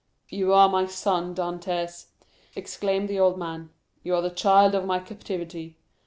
"You are my son, Dantès," exclaimed the old man. "You are the child of my captivity.